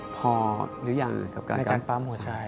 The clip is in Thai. พอหรือยังกับการการปั๊มหัวชัย